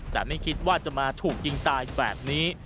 แต่ไม่คิดว่าจะมาถูกยิงตายแบบนี้